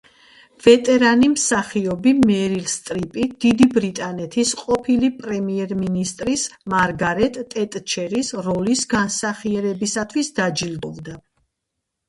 ვეტერანი მსახიობი მერილ სტრიპი დიდი ბრიტანეთის ყოფილი პრემიერ მინისტრის მარგარეტ ტეტჩერის როლის განსახირებისთვის დაჯილდოვდა.